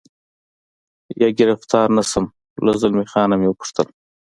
یا ګرفتار نه شم، له زلمی خان مې و پوښتل.